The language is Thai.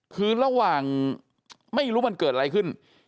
คือระหว่างไม่รู้มันเกิดอะไรขึ้น